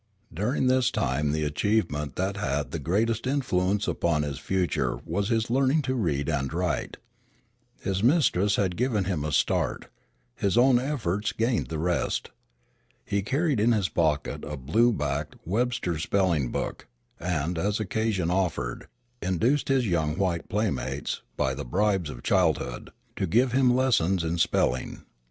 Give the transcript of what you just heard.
During this time the achievement that had the greatest influence upon his future was his learning to read and write. His mistress had given him a start. His own efforts gained the rest. He carried in his pocket a blue backed Webster's Spelling Book, and, as occasion offered, induced his young white playmates, by the bribes of childhood, to give him lessons in spelling.